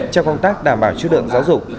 trong công tác đảm bảo chất lượng giáo dục